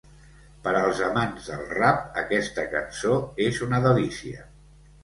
Per als amants del rap, aquesta cançó és una delícia.